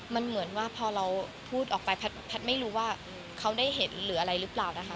มันเหมือนว่าพอเราพูดออกไปแพทย์ไม่รู้ว่าเขาได้เห็นหรืออะไรหรือเปล่านะคะ